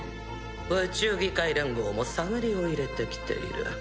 宇宙議会連合も探りを入れてきている。